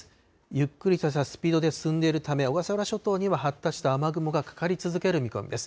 ゆっくりとしたスピードで進んでいるため、小笠原諸島には発達した雨雲がかかり続ける見込みです。